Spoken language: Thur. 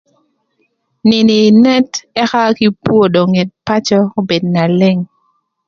Nïnö ï nët ëka kï pwodo ngët pacö obed na leng.